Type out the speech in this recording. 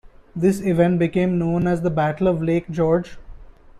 This event became known as the Battle of Lake George.